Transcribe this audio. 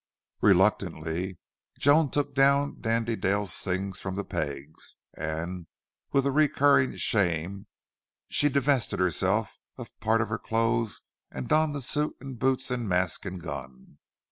Reluctantly Joan took down Dandy Dale's things from the pegs, and with a recurring shame she divested herself of part of her clothes and donned the suit and boots and mask and gun.